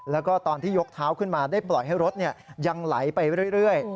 แล้วก็ตอนที่ยกเท้าขึ้นมาได้ปล่อยให้รถยังไหลไปเรื่อย